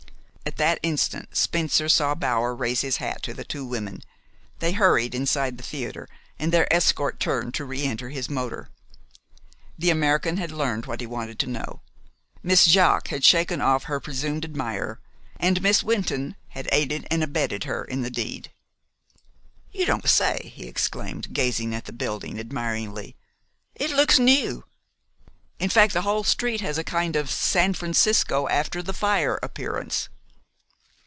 At that instant Spencer saw Bower raise his hat to the two women. They hurried inside the theater, and their escort turned to reënter his motor. The American had learned what he wanted to know. Miss Jaques had shaken off her presumed admirer, and Miss Wynton had aided and abetted her in the deed. "You don't say!" he exclaimed, gazing at the building admiringly. "It looks new. In fact the whole street has a kind of San Francisco after the fire appearance."